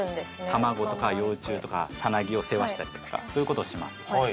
卵とか幼虫とかサナギを世話したりだとかそういう事をします。